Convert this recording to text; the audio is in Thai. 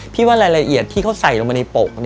ว่ารายละเอียดที่เขาใส่ลงไปในปก